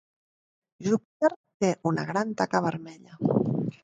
Júpiter té una gran taca vermella.